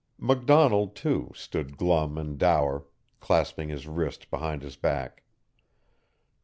McDonald, too, stood glum and dour, clasping his wrist behind his back.